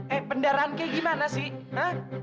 eh kendaraan kayak gimana sih